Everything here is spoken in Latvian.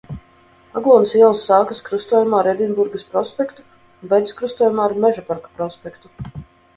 Aglonas iela sākas krustojumā ar Edinburgas prospektu un beidzas krustojumā ar Mežaparka prospektu.